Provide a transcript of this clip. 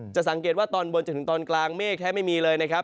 สังเกตว่าตอนบนจนถึงตอนกลางเมฆแทบไม่มีเลยนะครับ